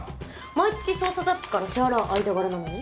毎月捜査雑費から支払う間柄なのに？